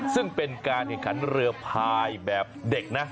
ซึ่งเป็นการแข่งขันเรือพายแบบเด็กนะ